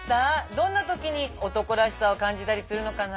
どんな時に男らしさを感じたりするのかな？